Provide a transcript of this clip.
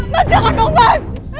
mas jangan dong mas